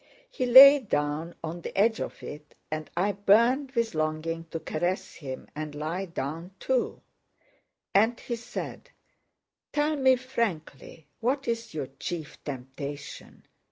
He lay down on the edge of it and I burned with longing to caress him and lie down too. And he said, "Tell me frankly what is your chief temptation?